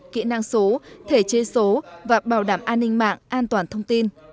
kỹ năng số thể chế số và bảo đảm an ninh mạng an toàn thông tin